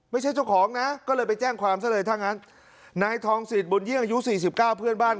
ไม่ใช่เจ้าของนะก็เลยไปแจ้งความซะเลยถ้างั้นนายทองสิทธิบุญยิ่งอายุสี่สิบเก้าเพื่อนบ้าน